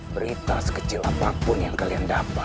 berita sekecil apapun yang kalian dapat